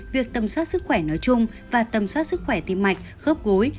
việc tâm soát sức khỏe nói chung và tâm soát sức khỏe tìm mạch khớp gối